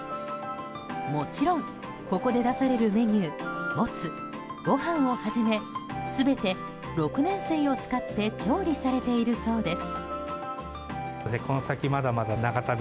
もちろんここで出されるメニューもつ、ごはんをはじめ全て六年水を使って調理されているそうです。